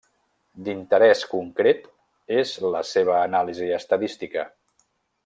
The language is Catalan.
D'interés concret és la seva anàlisi estadística.